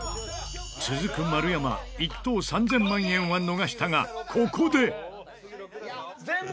続く丸山１等３０００万円は逃したがここで！